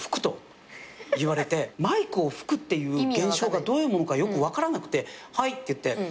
マイクを吹くっていう現象がどういうものかよく分からなくて「はい」って言って。